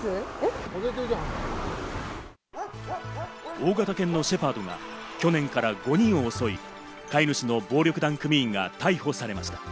大型犬のシェパードが去年から５人を襲い、飼い主の暴力団組員が逮捕されました。